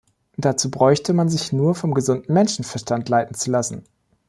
Dazu bräuchte man sich nur vom gesunden Menschenverstand leiten zu lassen.